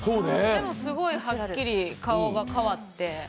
でもすごいはっきり顔が変わって。